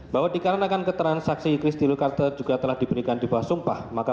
bahwa dikarenakan keterangan saksi kristi lukar terjuga telah diberikan di bawah sumpah maka